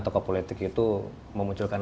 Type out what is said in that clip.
tokoh politik itu memunculkan